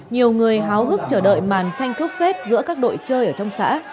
nhiều người háo hức chờ đợi màn tranh cướp phết giữa các đội chơi ở trong xã